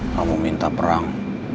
kamu minta perang